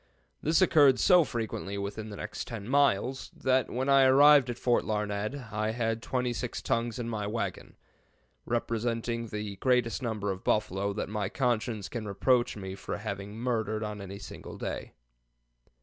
This occurred so frequently within the next 10 miles, that when I arrived at Fort Larned I had twenty six tongues in my wagon, representing the greatest number of buffalo that my conscience can reproach me for having murdered on any single day.